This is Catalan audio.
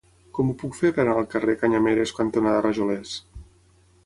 Com ho puc fer per anar al carrer Canyameres cantonada Rajolers?